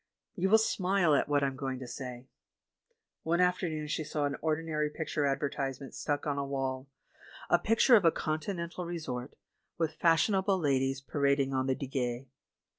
... You will smile at what I am going to say. One afternoon she saw an ordinary picture advertisement stuck on 4^6 THE MAN WHO UNDERSTOOD WOMEN a wall — a picture of a Continental resort, with fashionable ladies parading on the Digue.